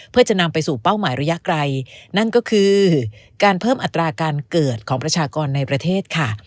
เพื่อจะนำไปสู่เป้าหมายระยะไกลนั่นก็คือการเพิ่มอัตราการเกิดของประชากรในประเทศค่ะ